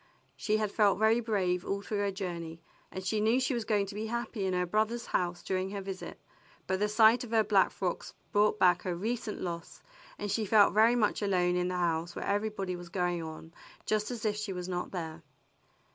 She had felt very brave all through her journey, and she knew she was going to be happy in her brother's house during her visit, but the sight of her black frocks brought back her recent loss, and she felt very much alone in this house where everybody was going on just as if she were not there.